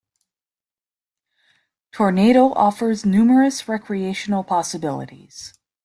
Tornado offers numerous recreational possibilities.